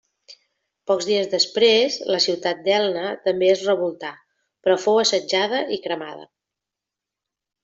Pocs dies després, la ciutat d'Elna també es revoltà, però fou assetjada i cremada.